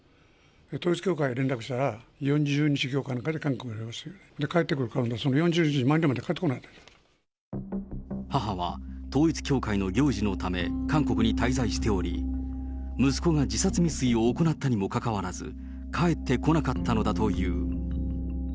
統一教会に連絡したら、４０日行かなんかで韓国におりますと、帰ってこない、母は統一教会の行事のため韓国に滞在しており、息子が自殺未遂を行ったにもかかわらず、帰ってこなかったのだという。